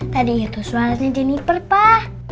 tadi itu suaranya jenniper pak